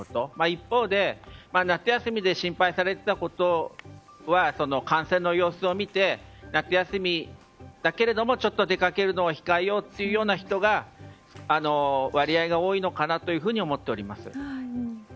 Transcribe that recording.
一方で夏休みで心配されていたことは感染の様子を見て夏休みだけれどもちょっと出かけるのを控えようというような人が割合が多いのかなというふうに思っております。